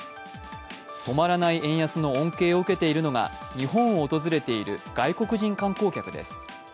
止まらない円安の恩恵を受けているのが日本を訪れている外国人観光客です。